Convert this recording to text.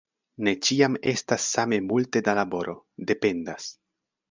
Ne ĉiam estas same multe da laboro; dependas.